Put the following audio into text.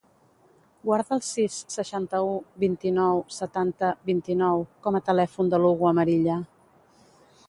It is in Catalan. Guarda el sis, seixanta-u, vint-i-nou, setanta, vint-i-nou com a telèfon de l'Hugo Amarilla.